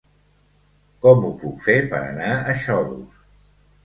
Com ho puc fer per anar a Xodos?